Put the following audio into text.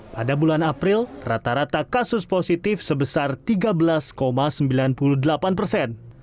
pada bulan april rata rata kasus positif sebesar tiga belas sembilan puluh delapan persen